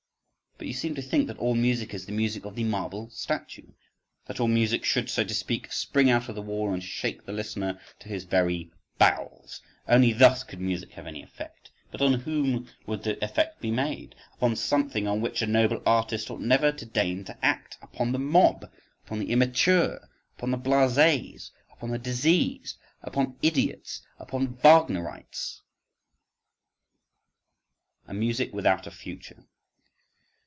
… But you seem to think that all music is the music of the "marble statue"?—that all music should, so to speak, spring out of the wall and shake the listener to his very bowels?… Only thus could music have any effect! But on whom would the effect be made? Upon something on which a noble artist ought never to deign to act,—upon the mob, upon the immature! upon the blasés! upon the diseased! upon idiots! upon Wagnerites!… A Music Without A Future.